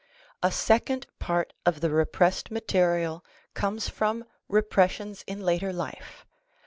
A second part of the repressed material comes from repressions in later life.